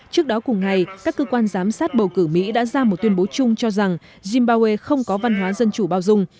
trước đó cùng ngày các cơ quan giám sát bầu cử mỹ đã ra một tuyên bố chung cho rằng zimbawe không có văn hóa dân chủ bao dung